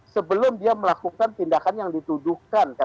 sebelum dia melakukan tindakan yang dituduhkan